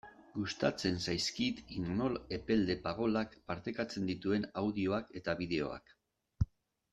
Gustatzen zaizkit Imanol Epelde Pagolak partekatzen dituen audioak eta bideoak.